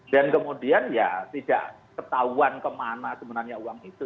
dan kemudian ya tidak ketahuan kemana sebenarnya uang itu